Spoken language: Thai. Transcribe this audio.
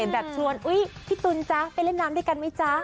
แบบชวนอุ๊ยพี่ตุ๋นจ๊ะไปเล่นน้ำด้วยกันไหมจ๊ะ